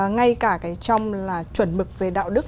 ngay cả cái trong là chuẩn mực về đạo đức